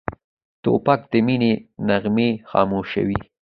توپک د مینې نغمې خاموشوي.